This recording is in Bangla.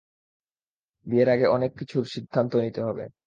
বিয়ের আগে অনেক কিছুর, সিদ্ধান্ত নিতে হবে।